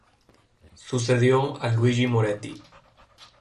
Sucedió a Luigi Moretti.